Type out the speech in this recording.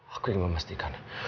aku ingin memastikan